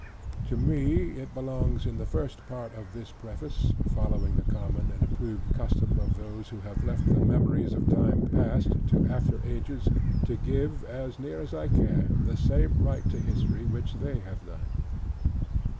To me it belongs in the first part of this Preface, following the common and approved custom of those who have left the memories of time past to after ages, to give, as near as I can, the same right to history which they have done.